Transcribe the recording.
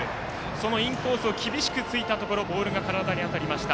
そのインコースを厳しくついたところボールが体に当たりました。